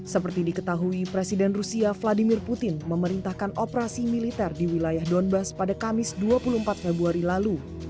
seperti diketahui presiden rusia vladimir putin memerintahkan operasi militer di wilayah donbass pada kamis dua puluh empat februari lalu